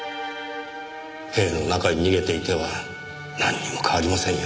塀の中に逃げていてはなんにも変わりませんよ。